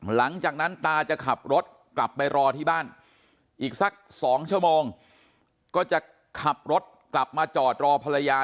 หลังจากนั้นตาจะขับรถกลับไปรอที่บ้านอีกสัก๒ชั่วโมงก็จะขับรถกลับมาจอดรอภรรยา